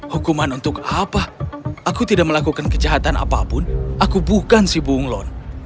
hukuman untuk apa aku tidak melakukan kejahatan apapun aku bukan si bunglon